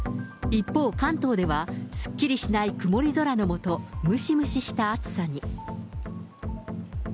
一方、関東では、すっきりしない曇り空のもと、ムシムシした暑さに。